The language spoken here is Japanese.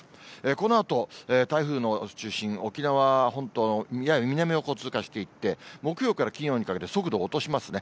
このあと、台風の中心、沖縄本島の南を通過していって、木曜から金曜にかけて、速度を落としますね。